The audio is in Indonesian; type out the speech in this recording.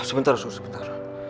sebentar sus sebentar